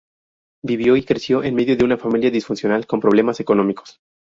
Vivió y creció en medio de una familia disfuncional con problemas económicos.